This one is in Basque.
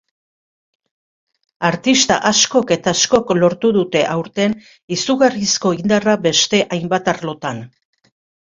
Artista askok eta askok lortu dute aurten izugarrizko indarra beste hainbat arlotan.